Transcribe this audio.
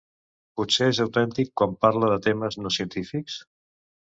Potser és autèntic quan parla de temes no científics?